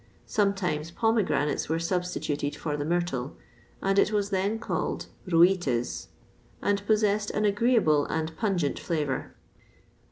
[XXVI 42] Sometimes pomegranates were substituted for the myrtle, and it was then called rhoites, and possessed an agreeable and pungent flavour.